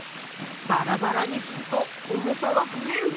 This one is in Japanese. ばらばらにすると重さはふえる？